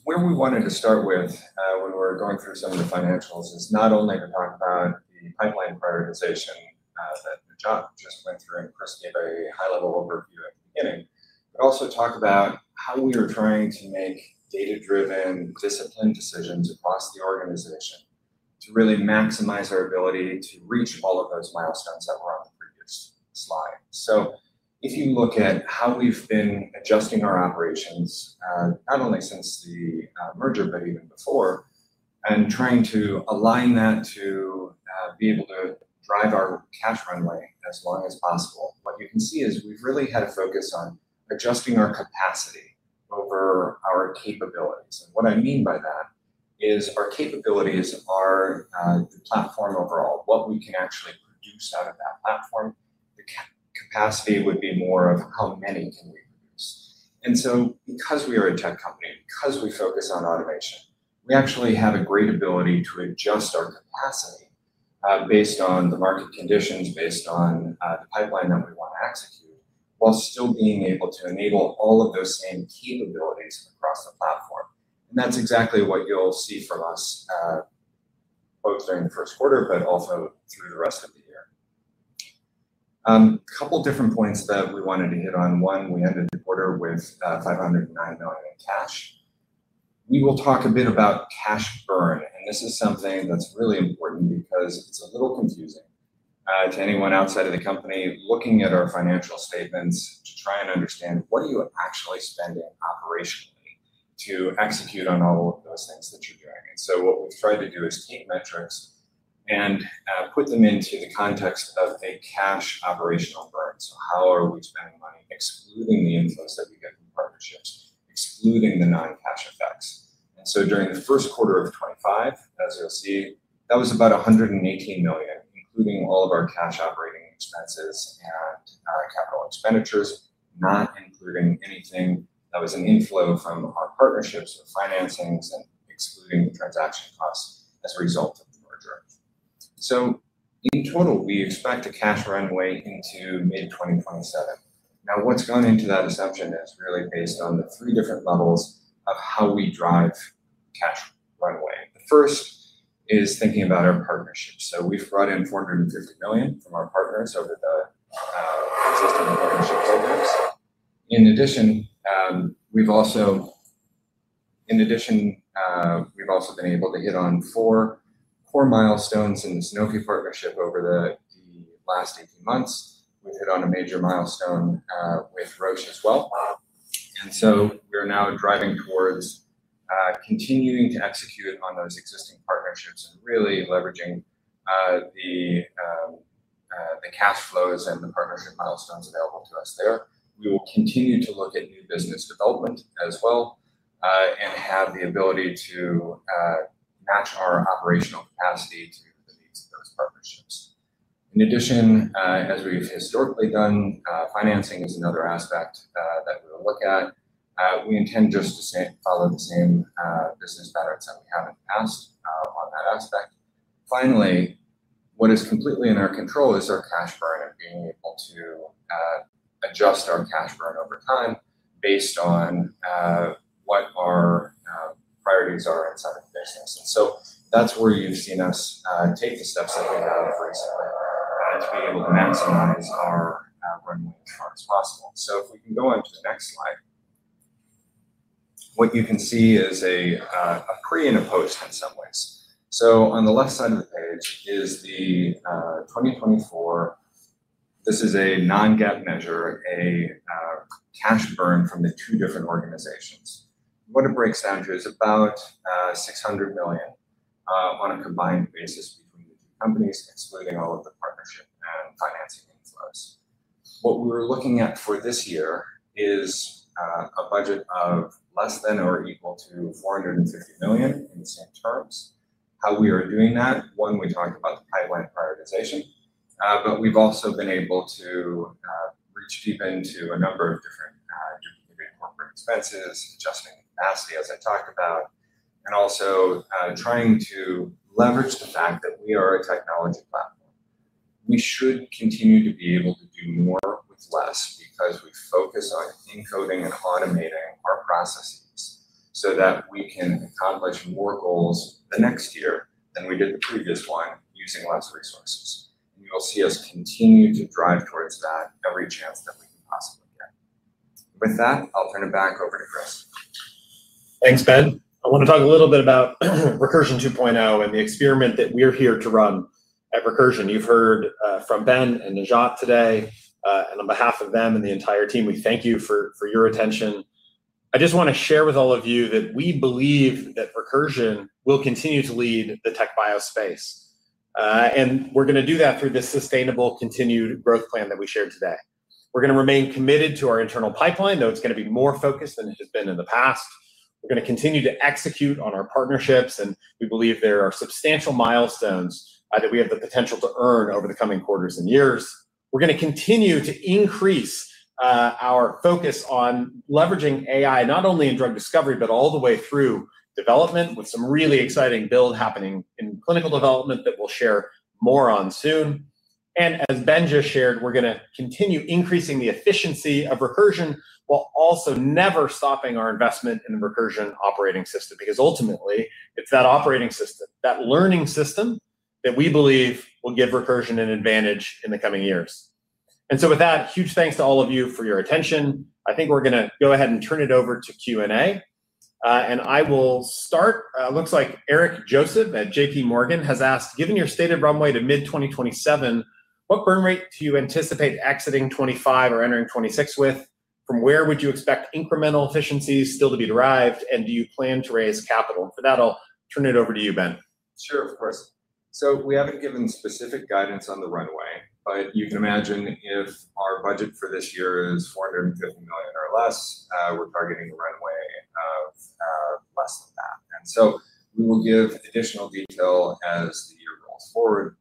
Where we wanted to start with when we were going through some of the financials is not only to talk about the pipeline prioritization that John just went through and Chris gave a high-level overview at the beginning, but also talk about how we are trying to make data-driven, disciplined decisions across the organization to really maximize our ability to reach all of those milestones that were on the previous slide. If you look at how we've been adjusting our operations, not only since the merger, but even before, and trying to align that to be able to drive our cash runway as long as possible, what you can see is we've really had a focus on adjusting our capacity over our capabilities. What I mean by that is our capabilities are the platform overall, what we can actually produce out of that platform. The capacity would be more of how many can we produce. Because we are a tech company, because we focus on automation, we actually have a great ability to adjust our capacity based on the market conditions, based on the pipeline that we want to execute, while still being able to enable all of those same capabilities across the platform. That is exactly what you'll see from us, both during the first quarter, but also through the rest of the year. A couple of different points that we wanted to hit on. One, we ended the quarter with $509 million in cash. We will talk a bit about cash burn, and this is something that's really important because it's a little confusing to anyone outside of the company looking at our financial statements to try and understand what are you actually spending operationally to execute on all of those things that you're doing. What we've tried to do is take metrics and put them into the context of a cash operational burn. How are we spending money, excluding the inflows that we get from partnerships, excluding the non-cash effects? During the first quarter of 2025, as you'll see, that was about $118 million, including all of our cash operating expenses and our capital expenditures, not including anything that was an inflow from our partnerships or financings and excluding the transaction costs as a result of the merger. In total, we expect a cash runway into mid-2027. Now, what's gone into that assumption is really based on the three different levels of how we drive cash runway. The first is thinking about our partnership. We've brought in $450 million from our partners over the existing partnership programs. In addition, we've also been able to hit on four core milestones in the Sanofi partnership over the last 18 months. We've hit on a major milestone with Roche as well. We are now driving towards continuing to execute on those existing partnerships and really leveraging the cash flows and the partnership milestones available to us there. We will continue to look at new business development as well and have the ability to match our operational capacity to meet those partnerships. In addition, as we've historically done, financing is another aspect that we will look at. We intend just to follow the same business patterns that we have in the past on that aspect. Finally, what is completely in our control is our cash burn and being able to adjust our cash burn over time based on what our priorities are inside of the business. That is where you have seen us take the steps that we have recently to be able to maximize our runway as far as possible. If we can go on to the next slide, what you can see is a pre and a post in some ways. On the left side of the page is the 2024. This is a non-GAAP measure, a cash burn from the two different organizations. What it breaks down to is about $600 million on a combined basis between the two companies, excluding all of the partnership and financing inflows. What we were looking at for this year is a budget of less than or equal to $450 million in the same terms. How we are doing that, one, we talked about the pipeline prioritization, but we have also been able to reach deep into a number of different corporate expenses, adjusting the capacity, as I talked about, and also trying to leverage the fact that we are a technology platform. We should continue to be able to do more with less because we focus on encoding and automating our processes so that we can accomplish more goals the next year than we did the previous one using less resources. You will see us continue to drive towards that every chance that we can possibly get. With that, I will turn it back over to Chris. Thanks, Ben. I want to talk a little bit about Recursion 2.0 and the experiment that we're here to run at Recursion. You've heard from Ben and Najat today, and on behalf of them and the entire team, we thank you for your attention. I just want to share with all of you that we believe that Recursion will continue to lead the TechBio space. We are going to do that through the sustainable continued growth plan that we shared today. We are going to remain committed to our internal pipeline, though it's going to be more focused than it has been in the past. We are going to continue to execute on our partnerships, and we believe there are substantial milestones that we have the potential to earn over the coming quarters and years. We're going to continue to increase our focus on leveraging AI not only in drug discovery, but all the way through development, with some really exciting build happening in clinical development that we'll share more on soon. As Ben just shared, we're going to continue increasing the efficiency of Recursion while also never stopping our investment in the Recursion operating system because ultimately, it's that operating system, that learning system that we believe will give Recursion an advantage in the coming years. With that, huge thanks to all of you for your attention. I think we're going to go ahead and turn it over to Q&A. I will start. It looks like Eric Joseph at JP Morgan has asked, "Given your stated runway to mid-2027, what burn rate do you anticipate exiting 2025 or entering 2026 with? From where would you expect incremental efficiencies still to be derived? Do you plan to raise capital? For that, I'll turn it over to you, Ben. Sure, of course. We have not given specific guidance on the runway, but you can imagine if our budget for this year is $450 million or less, we are targeting a runway of less than that. We will give additional detail as the year rolls forward.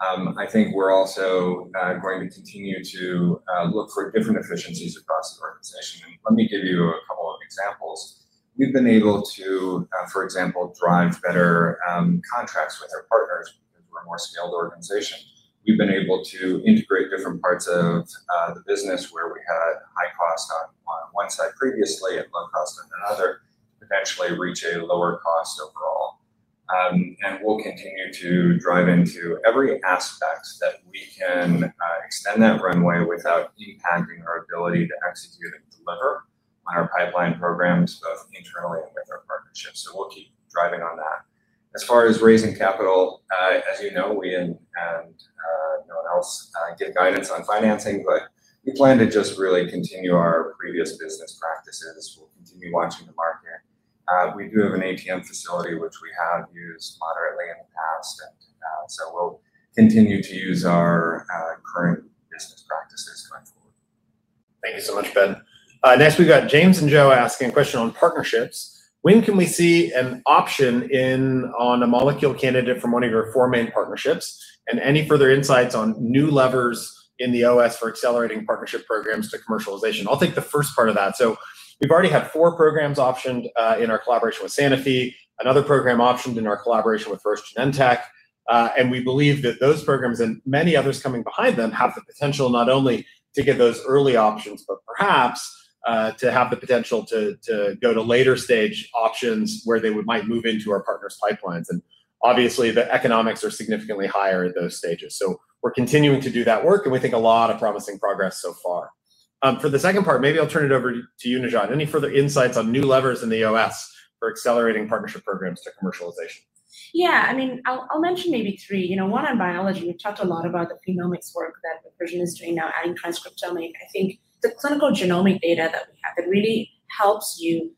I think we are also going to continue to look for different efficiencies across the organization. Let me give you a couple of examples. We have been able to, for example, drive better contracts with our partners because we are a more scaled organization. We have been able to integrate different parts of the business where we had high cost on one side previously and low cost on another, to potentially reach a lower cost overall. We will continue to drive into every aspect that we can extend that runway without impacting our ability to execute and deliver on our pipeline programs, both internally and with our partnerships. We will keep driving on that. As far as raising capital, as you know, we and no one else give guidance on financing, but we plan to just really continue our previous business practices. We will continue watching the market. We do have an ATM facility, which we have used moderately in the past. We will continue to use our current business practices going forward. Thank you so much, Ben. Next, we have James and Joe asking a question on partnerships. When can we see an option on a molecule candidate from one of your four main partnerships? Any further insights on new levers in the OS for accelerating partnership programs to commercialization? I'll take the first part of that. We've already had four programs optioned in our collaboration with Sanofi, another program optioned in our collaboration with Roche Genentech. We believe that those programs and many others coming behind them have the potential not only to get those early options, but perhaps to have the potential to go to later stage options where they might move into our partners' pipelines. Obviously, the economics are significantly higher at those stages. We're continuing to do that work, and we think a lot of promising progress so far. For the second part, maybe I'll turn it over to you, Najat. Any further insights on new levers in the OS for accelerating partnership programs to commercialization? Yeah. I mean, I'll mention maybe three. One on biology. We've talked a lot about the genomics work that Recursion is doing now, adding transcriptome. I think the clinical genomic data that we have that really helps you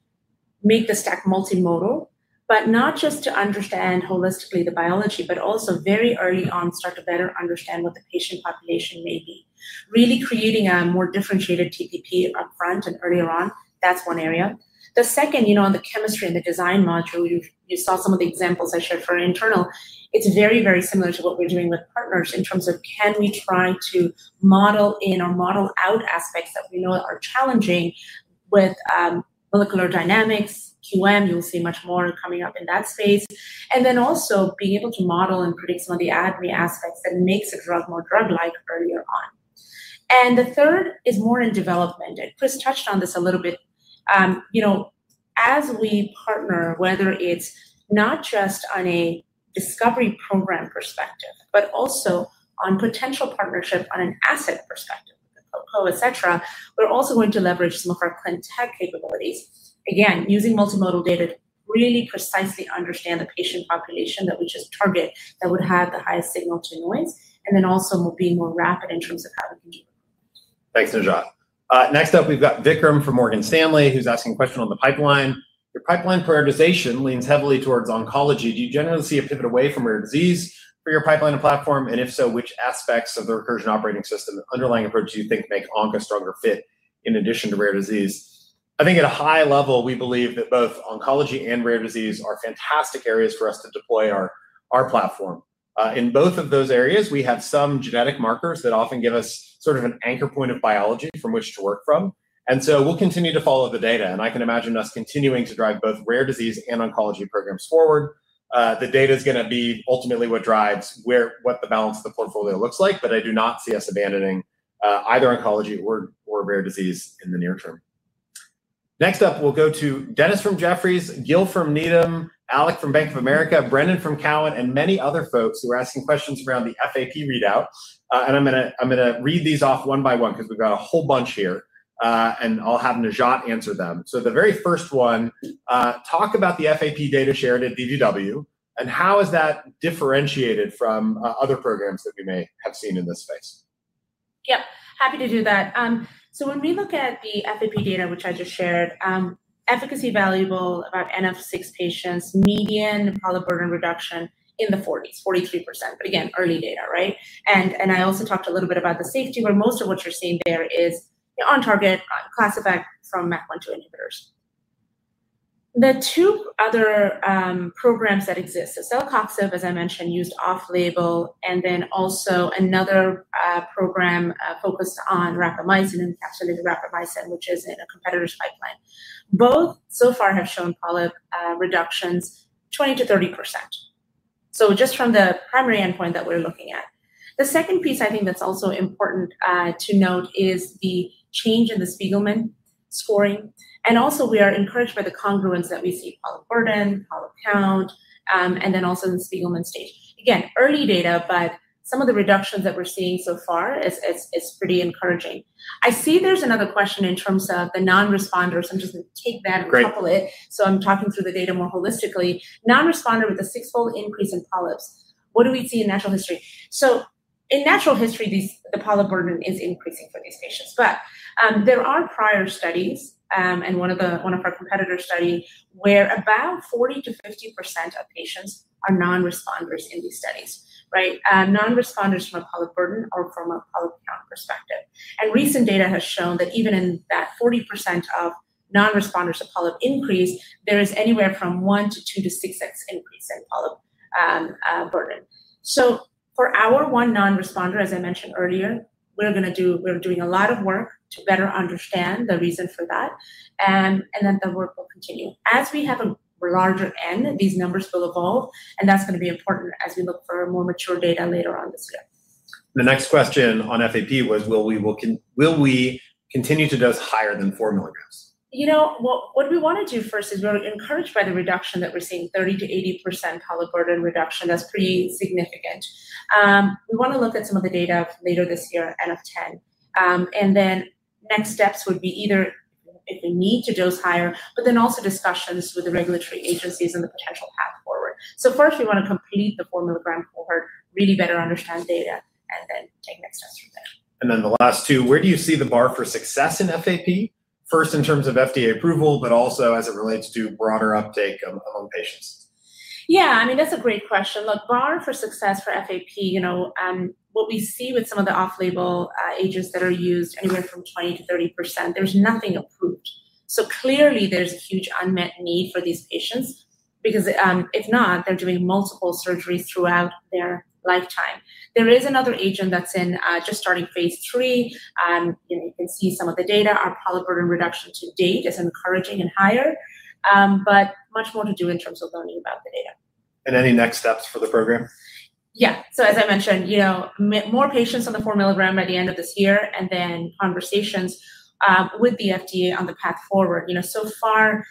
make the stack multimodal, but not just to understand holistically the biology, but also very early on start to better understand what the patient population may be. Really creating a more differentiated TPP upfront and earlier on, that's one area. The second, on the chemistry and the design module, you saw some of the examples I shared for internal. It's very, very similar to what we're doing with partners in terms of can we try to model in or model out aspects that we know are challenging with molecular dynamics, QM, you'll see much more coming up in that space. Also being able to model and predict some of the ADME aspects that makes a drug more drug-like earlier on. The third is more in development. Chris touched on this a little bit. As we partner, whether it's not just on a discovery program perspective, but also on potential partnership on an asset perspective, etc., we're also going to leverage some of our clinical tech capabilities, again, using multimodal data to really precisely understand the patient population that we just target that would have the highest signal to noise, and then also being more rapid in terms of how we can do it. Thanks, Najat. Next up, we've got Vikram from Morgan Stanley, who's asking a question on the pipeline. Your pipeline prioritization leans heavily towards oncology. Do you generally see a pivot away from rare disease for your pipeline and platform? If so, which aspects of the Recursion operating system and underlying approach do you think make onc a stronger fit in addition to rare disease? I think at a high level, we believe that both oncology and rare disease are fantastic areas for us to deploy our platform. In both of those areas, we have some genetic markers that often give us sort of an anchor point of biology from which to work from. We will continue to follow the data. I can imagine us continuing to drive both rare disease and oncology programs forward. The data is going to be ultimately what drives what the balance of the portfolio looks like, but I do not see us abandoning either oncology or rare disease in the near term. Next up, we will go to Dennis from Jefferies, Gil from Needham, Alec from Bank of America, Brendan from Cowan, and many other folks who are asking questions around the FAP readout. I'm going to read these off one by one because we've got a whole bunch here, and I'll have Najat answer them. The very first one, talk about the FAP data shared at DDW, and how is that differentiated from other programs that we may have seen in this space? Yep. Happy to do that. When we look at the FAP data, which I just shared, efficacy valuable about NF6 patients, median polyp burden reduction in the 40s, 43%. Again, early data, right? I also talked a little bit about the safety, where most of what you're seeing there is on target, classified from MALT1 inhibitors. The two other programs that exist, so Celecoxib, as I mentioned, used off-label, and then also another program focused on rapamycin and encapsulated rapamycin, which is in a competitor's pipeline. Both so far have shown polyp reductions 20-30%. Just from the primary endpoint that we're looking at. The second piece I think that's also important to note is the change in the Spiegelman scoring. Also, we are encouraged by the congruence that we see in polyp burden, polyp count, and then also in the Spiegelman stage. Again, early data, but some of the reductions that we're seeing so far is pretty encouraging. I see there's another question in terms of the non-responders. I'm just going to take that and couple it. I'm talking through the data more holistically. Non-responder with a six-fold increase in polyps. What do we see in natural history? In natural history, the polyp burden is increasing for these patients. There are prior studies, and one of our competitors studied, where about 40-50% of patients are non-responders in these studies, right? Non-responders from a polyp burden or from a polyp count perspective. Recent data has shown that even in that 40% of non-responders of polyp increase, there is anywhere from one to two to six X increase in polyp burden. For our one non-responder, as I mentioned earlier, we're doing a lot of work to better understand the reason for that, and the work will continue. As we have a larger N, these numbers will evolve, and that's going to be important as we look for more mature data later on this year. The next question on FAP was, will we continue to dose higher than 4 milligrams? You know what we want to do first is we're encouraged by the reduction that we're seeing, 30%-80% polyp burden reduction. That's pretty significant. We want to look at some of the data later this year on NF10. Next steps would be either if we need to dose higher, but then also discussions with the regulatory agencies and the potential path forward. First, we want to complete the 4 milligram cohort, really better understand data, and then take next steps from there. The last two, where do you see the bar for success in FAP? First, in terms of FDA approval, but also as it relates to broader uptake among patients. Yeah. I mean, that's a great question. Look, bar for success for FAP, what we see with some of the off-label agents that are used anywhere from 20-30%, there's nothing approved. Clearly, there's a huge unmet need for these patients because if not, they're doing multiple surgeries throughout their lifetime. There is another agent that's in just starting phase three. You can see some of the data. Our polyp burden reduction to date is encouraging and higher, but much more to do in terms of learning about the data. Any next steps for the program? Yeah. As I mentioned, more patients on the 4 milligram by the end of this year, and then conversations with the FDA on the path forward. So far,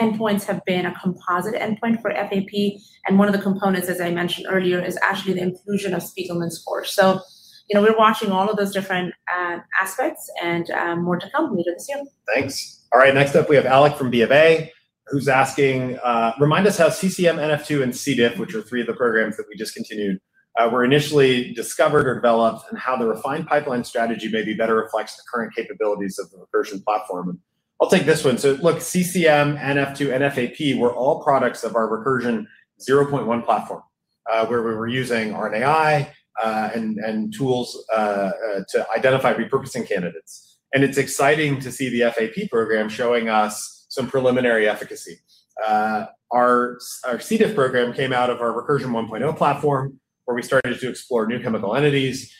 endpoints have been a composite endpoint for FAP. One of the components, as I mentioned earlier, is actually the inclusion of Spiegelman scores. We are watching all of those different aspects, and more to come later this year. Thanks. All right. Next up, we have Alec from BofA, who's asking, "Remind us how CCM, NF2, and CDIF, which are three of the programs that we discontinued, were initially discovered or developed, and how the refined pipeline strategy maybe better reflects the current capabilities of the Recursion platform." I'll take this one. Look, CCM, NF2, and FAP were all products of our Recursion 0.1 platform, where we were using RNAi and tools to identify repurposing candidates. It is exciting to see the FAP program showing us some preliminary efficacy. Our CDIF program came out of our Recursion 1.0 platform, where we started to explore new chemical entities.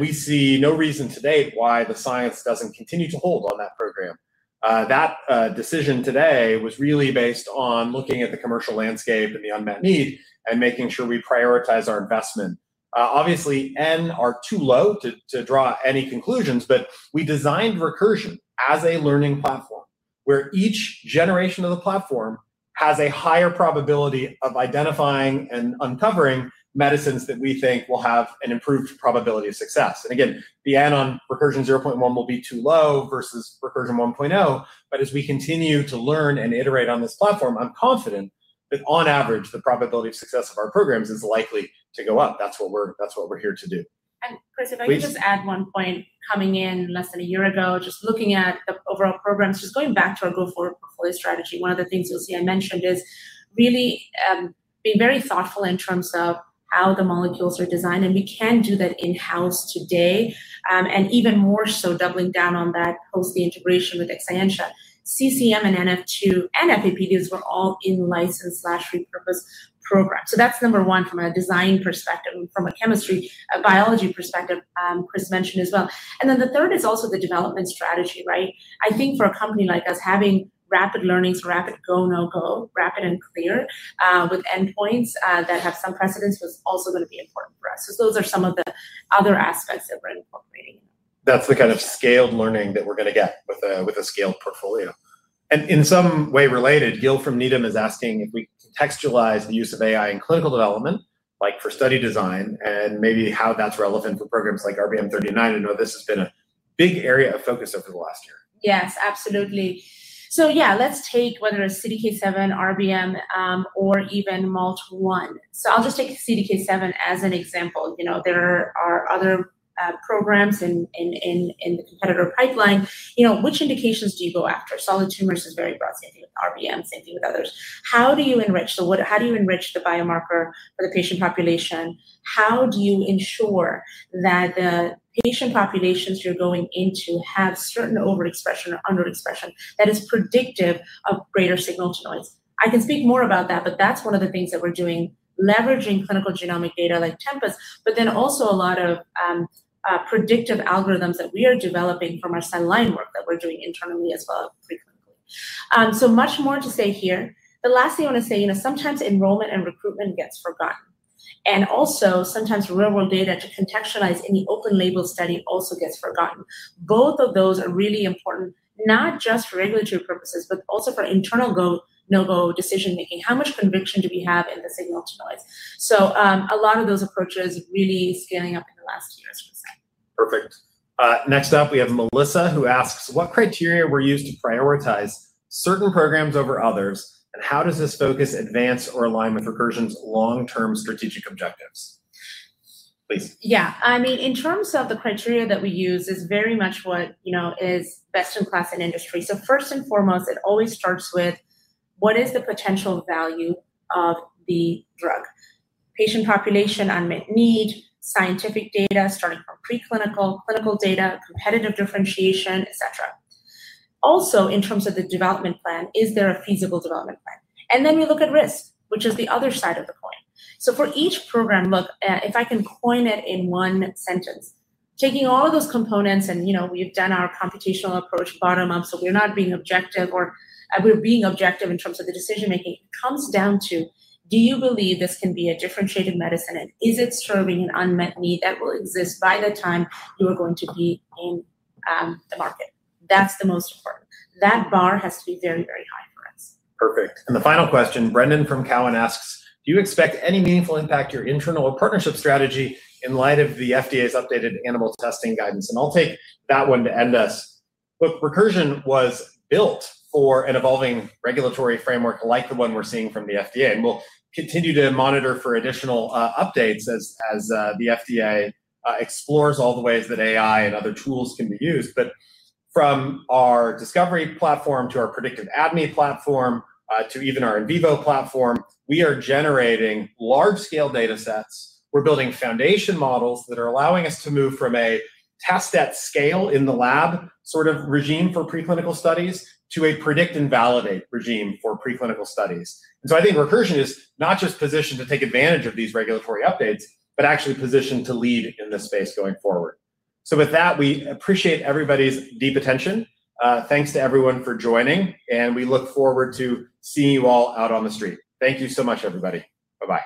We see no reason to date why the science does not continue to hold on that program. That decision today was really based on looking at the commercial landscape and the unmet need and making sure we prioritize our investment. Obviously, N are too low to draw any conclusions, but we designed Recursion as a learning platform, where each generation of the platform has a higher probability of identifying and uncovering medicines that we think will have an improved probability of success. Again, the N on Recursion 0.1 will be too low versus Recursion 1.0. As we continue to learn and iterate on this platform, I'm confident that on average, the probability of success of our programs is likely to go up. That's what we're here to do. Chris, if I could just add one point coming in less than a year ago, just looking at the overall programs, just going back to our go-forward portfolio strategy, one of the things you'll see I mentioned is really being very thoughtful in terms of how the molecules are designed. We can do that in-house today, and even more so doubling down on that post the integration with Exscientia. CCM and NF2 and FAP deals were all in license/repurpose programs. That's number one from a design perspective, from a chemistry, biology perspective, Chris mentioned as well. The third is also the development strategy, right? I think for a company like us, having rapid learnings, rapid go, no go, rapid and clear with endpoints that have some precedence was also going to be important for us. Those are some of the other aspects that we're incorporating. That's the kind of scaled learning that we're going to get with a scaled portfolio. In some way related, Gil from Needham is asking if we contextualize the use of AI in clinical development, like for study design, and maybe how that's relevant for programs like RBM39. I know this has been a big area of focus over the last year. Yes, absolutely. Yeah, let's take whether it's CDK7, RBM, or even MALT1. I'll just take CDK7 as an example. There are other programs in the competitor pipeline. Which indications do you go after? Solid tumors is very broad. Same thing with RBM, same thing with others. How do you enrich? How do you enrich the biomarker for the patient population? How do you ensure that the patient populations you're going into have certain overexpression or underexpression that is predictive of greater signal to noise? I can speak more about that, but that's one of the things that we're doing, leveraging clinical genomic data like Tempus, but then also a lot of predictive algorithms that we are developing from our cell line work that we're doing internally as well as preclinically. Much more to say here. The last thing I want to say, sometimes enrollment and recruitment gets forgotten. Also, sometimes real-world data to contextualize any open-label study also gets forgotten. Both of those are really important, not just for regulatory purposes, but also for internal go, no go decision-making. How much conviction do we have in the signal to noise? A lot of those approaches really scaling up in the last years, per se. Perfect. Next up, we have Melissa, who asks, "What criteria were used to prioritize certain programs over others, and how does this focus advance or align with Recursion's long-term strategic objectives?" Please. Yeah. I mean, in terms of the criteria that we use, it's very much what is best in class in industry. First and foremost, it always starts with what is the potential value of the drug. Patient population, unmet need, scientific data starting from preclinical, clinical data, competitive differentiation, etc. Also, in terms of the development plan, is there a feasible development plan? Then we look at risk, which is the other side of the coin. For each program, look, if I can coin it in one sentence, taking all of those components, and we've done our computational approach bottom-up, so we're not being objective or we're being objective in terms of the decision-making. It comes down to, do you believe this can be a differentiated medicine, and is it serving an unmet need that will exist by the time you are going to be in the market? That's the most important. That bar has to be very, very high for us. Perfect. The final question, Brendan from Cowan asks, "Do you expect any meaningful impact to your internal or partnership strategy in light of the FDA's updated animal testing guidance?" I'll take that one to end us. Look, Recursion was built for an evolving regulatory framework like the one we're seeing from the FDA, and we'll continue to monitor for additional updates as the FDA explores all the ways that AI and other tools can be used. From our discovery platform to our predictive ADME platform to even our in vivo platform, we are generating large-scale data sets. We're building foundation models that are allowing us to move from a test at scale in the lab sort of regime for preclinical studies to a predict and validate regime for preclinical studies. I think Recursion is not just positioned to take advantage of these regulatory updates, but actually positioned to lead in this space going forward. With that, we appreciate everybody's deep attention. Thanks to everyone for joining, and we look forward to seeing you all out on the street. Thank you so much, everybody. Bye-bye.